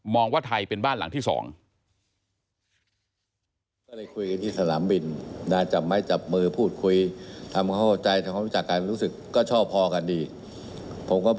ว่าไทยเป็นบ้านหลังที่สอง